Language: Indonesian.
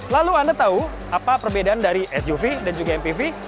lalu anda tahu apa perbedaan dari suv dan juga mpv